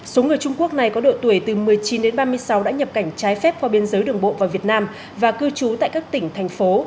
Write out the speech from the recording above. số người trung quốc này có độ tuổi từ một mươi chín đến ba mươi sáu đã nhập cảnh trái phép qua biên giới đường bộ vào việt nam và cư trú tại các tỉnh thành phố